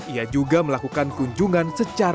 ia juga melakukan kunjungan secara